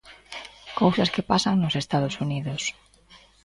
Cousas que pasan nos Estados Unidos...